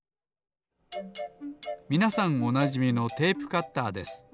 みなさんおなじみのテープカッターです。